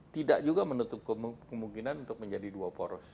tidak juga menutup kemungkinan untuk menjadi dua poros